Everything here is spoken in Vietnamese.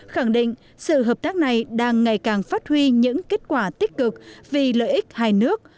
khẳng định sự hợp tác này đang ngày càng phát huy những kết quả tích cực vì lợi ích hai nước